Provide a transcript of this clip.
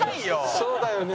そうだよね。